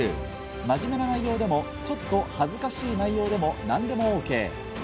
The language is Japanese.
真面目な内容でもちょっと恥ずかしい内容でも何でもＯＫ。